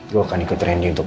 gue akan ikut reni untuk